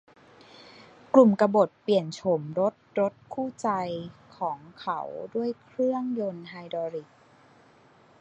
กลุ่มกบฏเปลี่ยนโฉมรถรถคู่ใจของเขาด้วยเครื่องยนต์ไฮดรอลิค